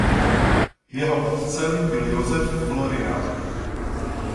Jeho otcem byl Josef Florian.